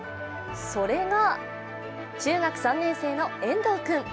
それが、中学３年生の遠藤君。